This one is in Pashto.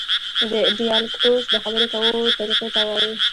ډیالکټوس د خبري کوو طریقې ته وایي.